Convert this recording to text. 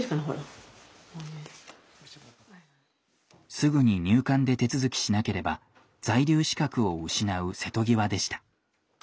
すぐに入管で手続きしなければ在留資格を失う瀬戸際でした。